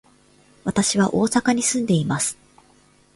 私は大阪に住んでいます。